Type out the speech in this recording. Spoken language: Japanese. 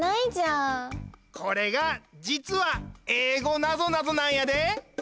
これがじつはえいごなぞなぞなんやで！